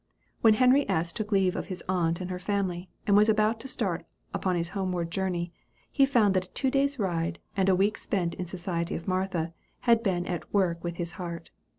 When Henry S. took leave of his aunt and her family, and was about to start upon his homeward journey, he found that a two days' ride, and a week spent in the society of Martha, had been at work with his heart.